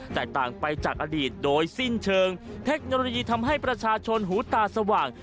แตกต่างไปจากอดีตโดยสิ้นเชิงเทคโนโลยีทำให้ประชาชนหูตาสว่าง